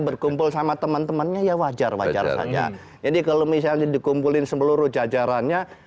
berkumpul sama teman temannya ya wajar wajar saja jadi kalau misalnya dikumpulin seluruh jajarannya